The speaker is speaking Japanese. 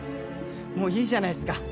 もういいじゃないっすか。